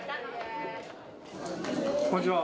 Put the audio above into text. こんにちは。